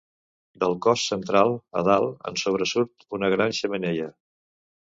Del cos central, a dalt, en sobresurt una gran xemeneia.